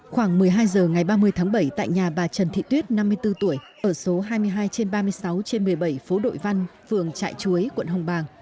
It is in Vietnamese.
khoảng một mươi hai h ngày ba mươi tháng bảy tại nhà bà trần thị tuyết năm mươi bốn tuổi ở số hai mươi hai trên ba mươi sáu trên một mươi bảy phố đội văn vườn trại chuối quận hồng bàng